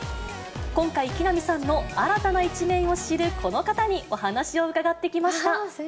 今回、木南さんの新たな一面を知るこの方にお話を伺ってきました。